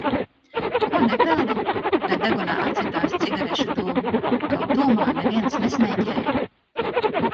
"Ko nepeldi?" Bet degunā atsitās cigarešu dūmi, kaut tuvumā neviens nesmēķēja.